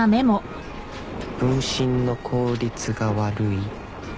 「分身の効率が悪い」